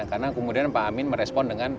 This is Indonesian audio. karena kemudian pak amin merespon dengan